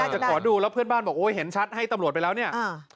จะขอดูแล้วเพื่อนบ้านบอกโอ้ยเห็นชัดให้ตำรวจไปแล้วเนี่ย